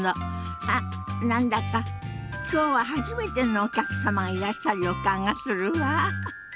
あっ何だか今日は初めてのお客様がいらっしゃる予感がするわ。